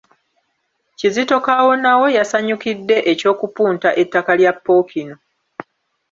Kizito Kaawonawo yasanyukidde eky’okupunta ettaka lya Ppookino.